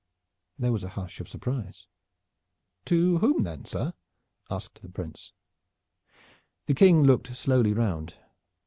There was a hush of surprise. "To whom then, sir?" asked the Prince. The King looked slowly round.